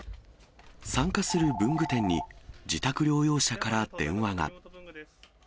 参加する文具店に、自宅療養者から電話が。